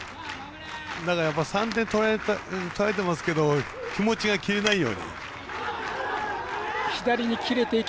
だから、３点取られてますけど気持ちが切れないように。